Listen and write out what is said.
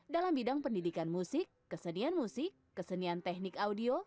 dalam bidang pendidikan musik kesenian musik kesenian teknik audio